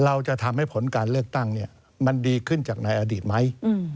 เราจะทำให้ผลการเลือกตั้งมันดีขึ้นจากในอดีตไหม